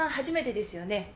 初めてですよね。